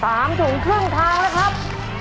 สามถุงครึ่งทางนะครับ